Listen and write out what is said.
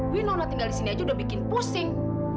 winona tinggal di sini aja udah bikin pusing